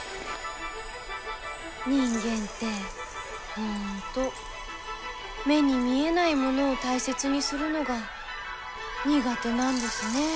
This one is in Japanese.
人間って本当目に見えないものを大切にするのが苦手なんですねえ。